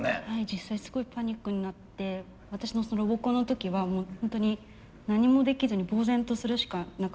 実際すごいパニックになって私ロボコンの時はホントに何もできずにぼう然とするしかなかったです。